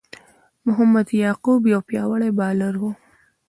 محمد یعقوب یو پياوړی بالر وو.